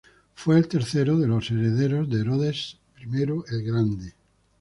Fue el tercero de los herederos de Herodes I el Grande.